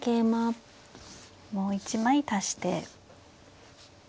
もう一枚足して。